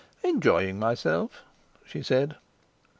"Enjoying myself," she said.